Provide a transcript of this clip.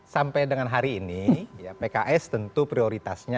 sampai dengan hari ini ya pks tentu prioritasnya